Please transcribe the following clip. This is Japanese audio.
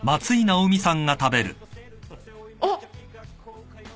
あっ！